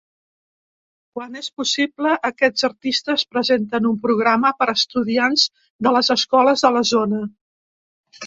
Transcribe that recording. Quan és possible, aquests artistes presenten un programa per a estudiants de les escoles de la zona.